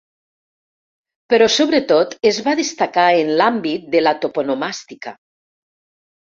Però sobretot es va destacar en l’àmbit de la toponomàstica.